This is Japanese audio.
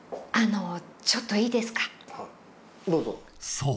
そう！